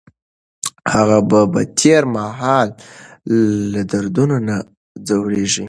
هغه به د تېر مهال له دردونو نه ځوریږي.